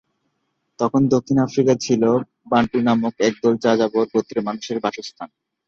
তখন দক্ষিণ আফ্রিকা ছিল বান্টু নামক একদল যাযাবর গোত্রের মানুষের বাসস্থান।